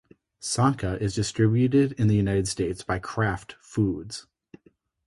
Sanka is distributed in the United States by Kraft Foods.